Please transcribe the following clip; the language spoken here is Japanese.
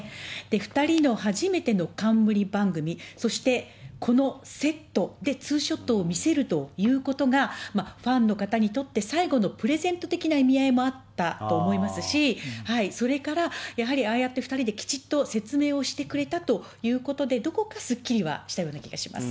２人の初めての冠番組、そしてこのセットで、ツーショットを見せるということが、ファンの方にとって最後のプレゼント的な意味合いもあったと思いますし、それから、やはりああやって２人できちっと説明をしてくれたということで、どこかすっきりはしたような気がします。